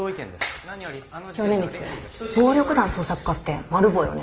米光暴力団対策課ってマル暴よね。